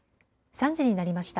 ３時になりました。